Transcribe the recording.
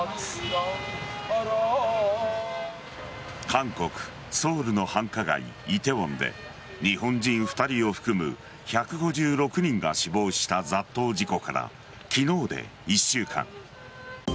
韓国・ソウルの繁華街梨泰院で日本人２人を含む１５６人が死亡した雑踏事故から昨日で１週間。